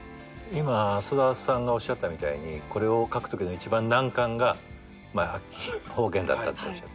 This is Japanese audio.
今浅田さんがおっしゃったみたいにこれを書くときの一番難関が方言だったと。